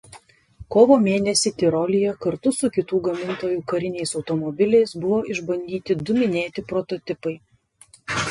Kovo mėnesį Tirolyje kartu su kitų gamintojų kariniais automobiliais buvo išbandyti du minėti prototipai.